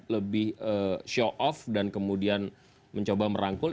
lebih show off dan kemudian mencoba merangkul